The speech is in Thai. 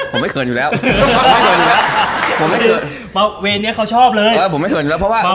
ผมไม่เขินอยู่แล้วเพราะว่าเวรเนี้ยเขาชอบเลย